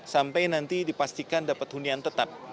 sampai nanti dipastikan dapat hunian tetap